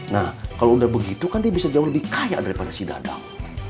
nah kalau udah begitu kan dia bisa jauh lebih kaya daripada si dadang